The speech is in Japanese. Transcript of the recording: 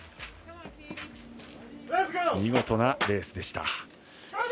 見事なレースでした。